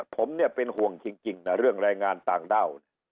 ผมเนี่ยเป็นห่วงจริงนะเรื่องแรงงานต่างด้าว